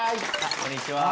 こんにちは。